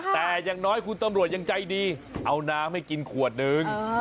แต่อย่างน้อยคุณตำรวจยังใจดีเอาน้ำให้กินขวดนึง